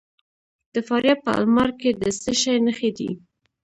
د فاریاب په المار کې د څه شي نښې دي؟